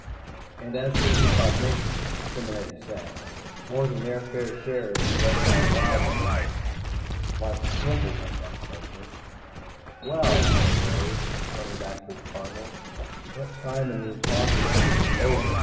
And as for precognition, as Simonetti said, more than their fair share is possessed by wild looking women. Like Sniffles, I thought suddenly. "Well," Rose said, turning back to his partner. "Let Sime and me talk it over.